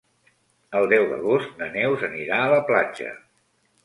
El deu d'agost na Neus anirà a la platja.